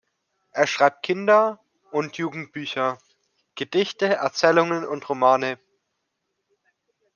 Er schreibt Kinder- und Jugendbücher, Gedichte, Erzählungen und Romane.